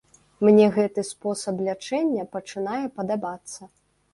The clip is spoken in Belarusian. Мне гэты спосаб лячэння пачынае падабацца.